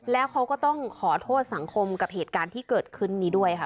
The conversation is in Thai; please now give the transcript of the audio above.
แล้วเขาก็ต้องขอโทษสังคมกับเหตุการณ์ที่เกิดขึ้นนี้ด้วยค่ะ